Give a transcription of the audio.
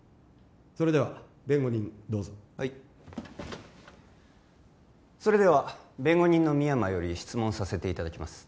それでは弁護人どうぞはいそれでは弁護人の深山より質問させていただきます